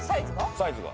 サイズが？